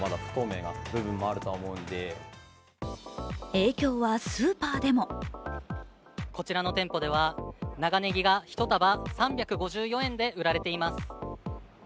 影響はスーパーでもこちらのテンポでは長ねぎが１束３５４円で売られています。